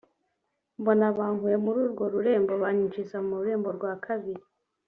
Mbona bankuye muri urwo rurembo banyinjiza mu rurembo rwa kabiri